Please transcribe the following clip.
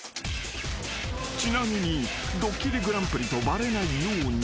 ［ちなみに『ドッキリＧＰ』とバレないように］